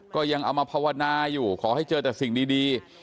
ก็ยังเอามาภาวนาอยู่ขอให้เจอแต่สิ่งดี